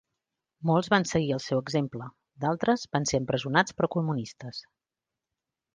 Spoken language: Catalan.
Molts van seguir el seu exemple, d'altres van ser empresonats per comunistes.